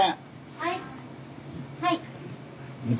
はい。